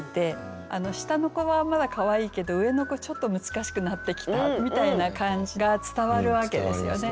下の子はまだかわいいけど上の子ちょっと難しくなってきたみたいな感じが伝わるわけですよね。